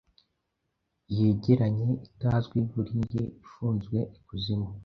yegeranye, itazwi Buringi ifunze ikuzimu